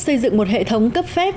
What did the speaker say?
xây dựng một hệ thống cấp phép